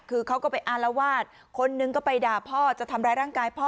คือเขาก็ไปอารวาสคนหนึ่งก็ไปด่าพ่อจะทำร้ายร่างกายพ่อ